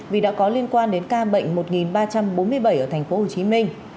vì đã có liên quan đến ca bệnh một ba trăm bốn mươi bảy ở thành phố hồ chí minh